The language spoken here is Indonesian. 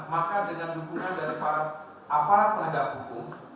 maka dengan dukungan dari para aparat penegak hukum